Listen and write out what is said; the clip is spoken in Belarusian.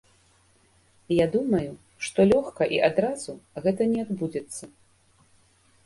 Я думаю, што лёгка, і адразу гэта не адбудзецца.